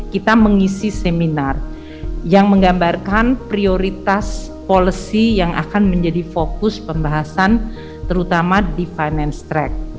kita mengisi seminar yang menggambarkan prioritas policy yang akan menjadi fokus pembahasan terutama di finance track